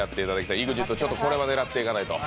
ＥＸＩＴ、これは狙っていかないと。